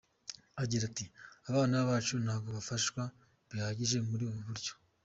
Agira ati: “Abana bacu ntago bafashwa bihagije muri ubu buryo.